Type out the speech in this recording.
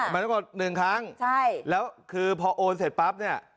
มันก็หนึ่งครั้งใช่แล้วคือพอโอนเสร็จปั๊บเนี่ย